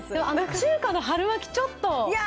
中華の春巻き、ちょっと。